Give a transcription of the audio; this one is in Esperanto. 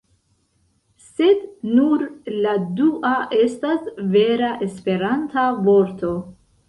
Sed nur la dua estas vera Esperanta vorto.